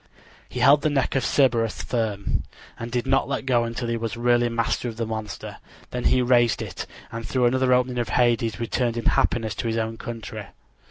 He held the neck of Cerberus firm, and did not let go until he was really master of the monster. Then he raised it, and through another opening of Hades returned in happiness to his own country.